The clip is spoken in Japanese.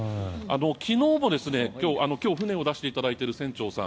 昨日今日船を出していただいている船長さん